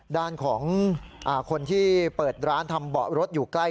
ด้านของคนที่เปิดร้านทำเบาะรถอยู่ใกล้